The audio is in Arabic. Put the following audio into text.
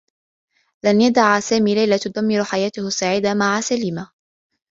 لن يدع سامي ليلى تدمّر حياته السّعيدة مع سليمة.